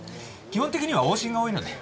基本的には往診が多いので。